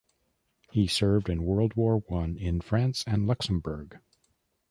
He served in World War One in France and Luxembourg.